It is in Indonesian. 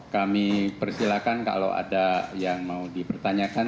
kami persilahkan kalau ada yang mau dipertanyakan